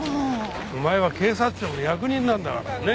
お前は警察庁の役人なんだからね。